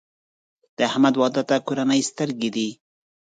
د احمد واده ته کورنۍ سترګې دي.